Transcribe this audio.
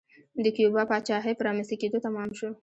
د کیوبا پاچاهۍ په رامنځته کېدو تمام شو.